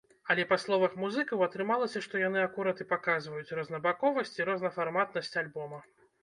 Але па словах музыкаў, атрымалася, што яны акурат і паказваюць рознабаковасць і рознафарматнасць альбома.